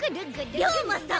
龍馬さん！